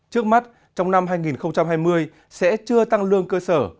trước mắt trong năm hai nghìn hai mươi sẽ chưa tăng lương cơ sở